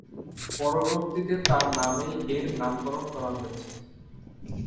পরবর্তিতে তার নামেই এর নামকরণ করা হয়েছে।